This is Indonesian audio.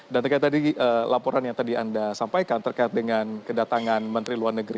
dan terkait tadi laporan yang tadi anda sampaikan terkait dengan kedatangan menteri luar negeri